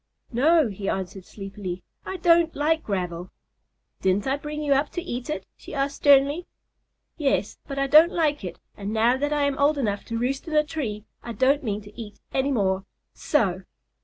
"No," he answered sleepily, "I don't like gravel." "Didn't I bring you up to eat it?" she asked sternly. "Yes, but I don't like it, and now that I am old enough to roost in a tree I don't mean to eat any more. So!"